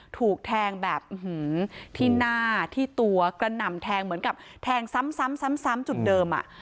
ถูกแทงแบบที่หน้าที่ตัวกระหน่ำแทงเหมือนกับแทงซ้ำจุดเดิม